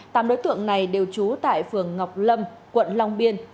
tám đối tượng này đều trú tại phường ngọc lâm quận long biên